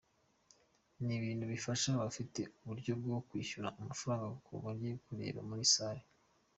Ni ibintu bifasha abadafite uburyo bwo kwishyura amafaranga ngo bajye kurebera muri salle.